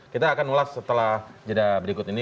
kita akan ulas setelah jeda berikut ini